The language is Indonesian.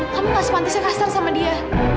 kamu gak spontisnya kasar sama dia